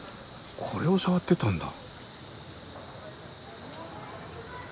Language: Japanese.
これを触ってたんだ。